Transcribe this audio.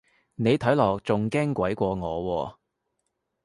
你睇落仲驚鬼過我喎